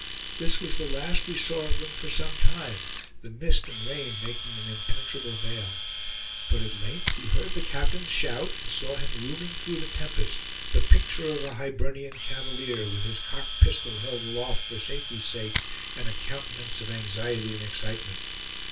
This was the last we saw of them for some time, the mist and rain making an impenetrable veil; but at length we heard the captain's shout, and saw him looming through the tempest, the picture of a Hibernian cavalier, with his cocked pistol held aloft for safety's sake, and a countenance of anxiety and excitement.